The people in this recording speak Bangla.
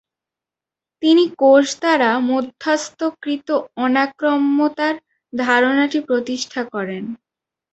তিনি কোষ দ্বারা মধ্যস্থতাকৃত অনাক্রম্যতার ধারণাটি প্রতিষ্ঠা করেন।